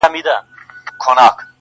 چي و شمي د آدب ته پنګان سي,